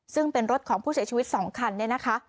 ซึ่งเป็นรถของผู้เสียชีวิต๒คัน